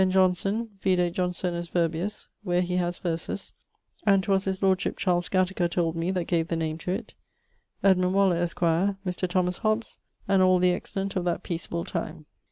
Johnson (vide Johnsonus Virbius, where he haz verses, and 'twas his lordship, Charles Gattaker told me, that gave the name to it); Edmund Waller, esq.; Mr. Thomas Hobbes, and all the excellent of that peaceable time.